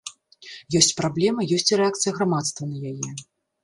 Ёсць праблема, ёсць і рэакцыя грамадства на яе.